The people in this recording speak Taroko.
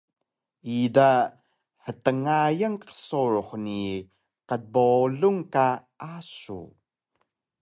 Ida htngayan qsurux ni qbowlung ka asu